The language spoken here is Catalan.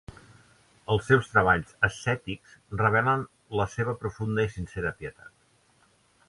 Els seus treballs ascètics revelen la seva profunda i sincera pietat.